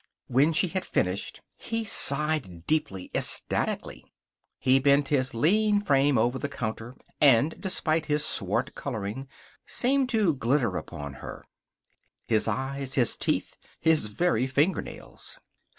When she had finished he sighed deeply, ecstatically. He bent his lean frame over the counter and, despite his swart coloring, seemed to glitter upon her his eyes, his teeth, his very fingernails.